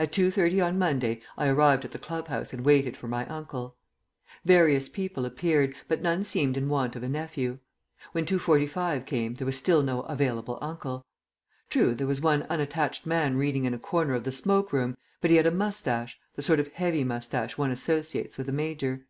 At 2.30 on Monday I arrived at the club house and waited for my uncle. Various people appeared, but none seemed in want of a nephew. When 2.45 came there was still no available uncle. True, there was one unattached man reading in a corner of the smoke room, but he had a moustache the sort of heavy moustache one associates with a major.